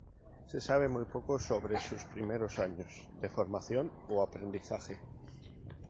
Se sabe muy poco sobre sus primeros años de formación o aprendizaje.